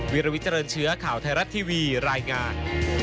วิลวิเจริญเชื้อข่าวไทยรัฐทีวีรายงาน